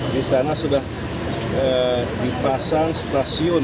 di sana sudah dipasang stasiun